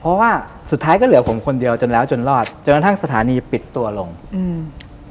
เพราะว่าสุดท้ายก็เหลือผมคนเดียวจนแล้วจนรอดจนกระทั่งสถานีปิดตัวลงอืม